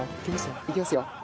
いきますよ。